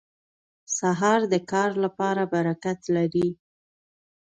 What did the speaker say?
سهار د کار لپاره برکت لري.